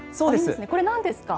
これ、なんですか？